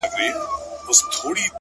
o پر کومي لوري حرکت وو حوا څه ډول وه،